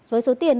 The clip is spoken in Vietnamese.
với số tiền